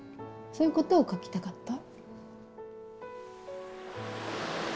そういうことを描きたかった。